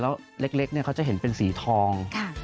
แล้วเล็กเขาจะเห็นเป็นสีทอง